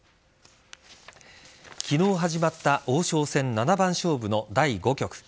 昨日始まった王将戦七番勝負の第５局。